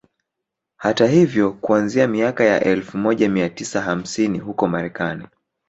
Hata hivyo kuanzia miaka ya elfu moja mia tisa hamaini huko Marekani